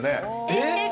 えっ